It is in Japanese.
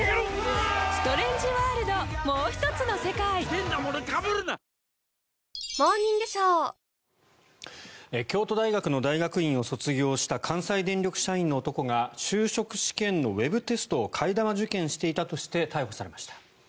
ピンポーン京都大学の大学院を卒業した関西電力社員の男が就職試験のウェブテストを替え玉受検していたとして逮捕されました。